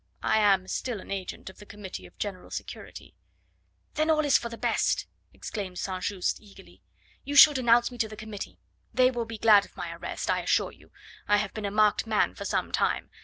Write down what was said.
I am still an agent of the Committee of General Security." "Then all is for the best!" exclaimed St. Just eagerly. "You shall denounce me to the Committee. They will be glad of my arrest, I assure you. I have been a marked man for some time.